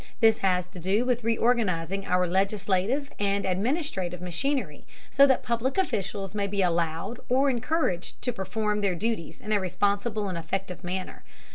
This has to do with reorganizing our legislative and administrative machinery, so that public officials may be allowed or encouraged to perform their duties in a responsible and effective manner.